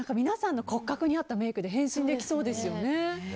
皆さんの骨格に合ったメイクで変身できそうですよね。